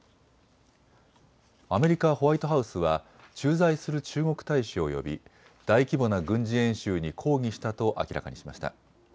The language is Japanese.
アメリカ・ホワイトハウスは駐在する中国大使を呼び大規模な軍事演習に抗議したと明らかにしました。